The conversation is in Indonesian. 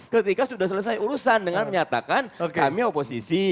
ketika sudah selesai urusan dengan menyatakan kami oposisi